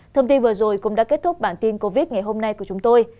thông tin vừa rồi cũng đã kết thúc bản tin covid ngày hôm nay của chúng tôi